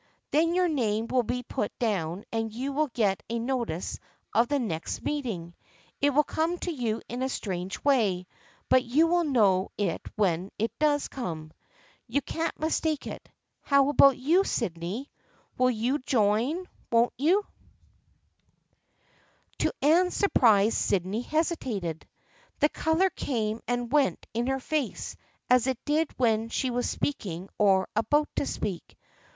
Then your name will be put down and you will get a notice of the next meet ing. It will come to you in a strange way, but you will know it when it does come. You can't mistake it. How about you, Sydney? You will join, won't you ?" 44 THE FRIENDSHIP OF ANNE To Anne's surprise Sydney hesitated. The color came and went in her face as it did when she was speaking or about to speak.